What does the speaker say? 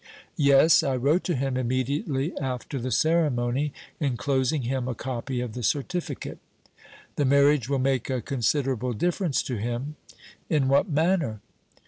"Yes; I wrote to him immediately after the ceremony, enclosing him a copy of the certificate." "The marriage will make a considerable difference to him." "In what manner?"